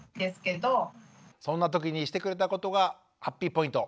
そんなときにしてくれたことがハッピーポイント。